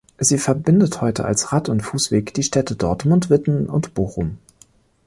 Sie verbindet heute als Rad- und Fußweg die Städte Dortmund, Witten und Bochum.